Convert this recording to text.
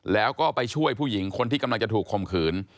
แล้วก็ไปช่วยผู้หญิงคนที่กำลังจะถูกคมขืน